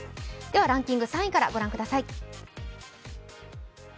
ランキング３位から御覧ください。